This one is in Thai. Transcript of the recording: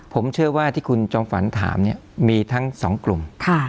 ผมเชื่อว่าที่คุณจอมฝันถามเนี่ยมีทั้งสองกลุ่ม